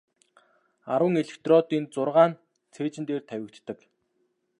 Арван электродын зургаа нь цээжин дээр тавигддаг.